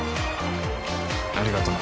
ありがとな。